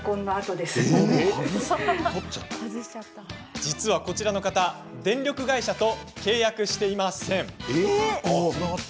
実は、こちらの方電力会社と契約していません。